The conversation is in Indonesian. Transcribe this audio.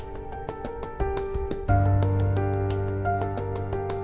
nggak ada yang mencerigakan